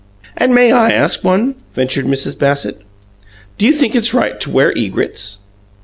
"And may I ask one?" ventured Mrs. Bassett. "Do you think it is right to wear egrets?"